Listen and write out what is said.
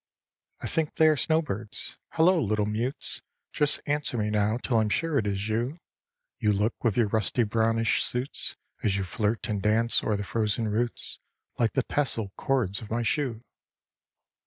I think they are snowbirds. Hello, little mutes! Just answer me now till I'm sure it is you. You look with your rusty brownish suits, As you flirt and dance o'er the frozen roots, Like the tasseled cords of my shoe.